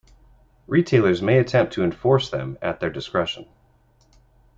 Retailers may attempt to enforce them at their discretion.